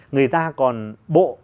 người ta còn bộ